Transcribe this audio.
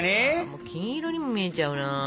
もう金色にも見えちゃうな。